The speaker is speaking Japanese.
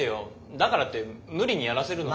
だからって無理にやらせるのは。